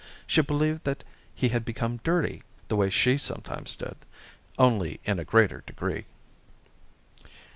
She believed that he had become dirty, the way she sometimes did, only in a greater degree.